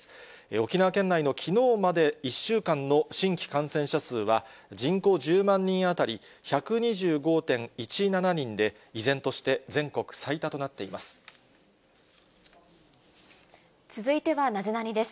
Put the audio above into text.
沖縄県内のきのうまで１週間の新規感染者数は、人口１０万人当たり１２５．１７人で、依然として全国最多となっています。